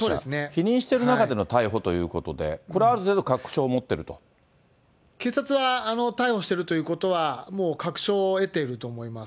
否認してる中での逮捕ということで、警察は、逮捕してるということは、もう確証を得ていると思います。